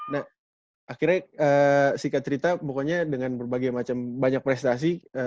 nah akhirnya sikat cerita pokoknya dengan berbagai macam banyak prestasi